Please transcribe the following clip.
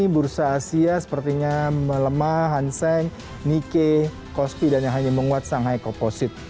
bursa asia sepertinya melemah hanseng nike kospi dan yang hanya menguat shanghai komposit